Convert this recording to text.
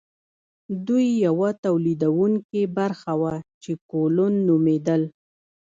دوی یوه تولیدونکې برخه وه چې کولون نومیدل.